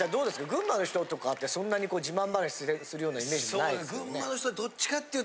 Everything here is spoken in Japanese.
群馬の人とかってそんなに自慢話するようなイメージないですね。